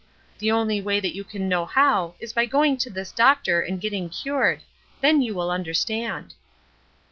The only way that you can know how is by going to this doctor and getting cured; then you will understand."